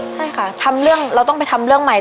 ใช่ค่ะทำเรื่องเราต้องไปทำเรื่องใหม่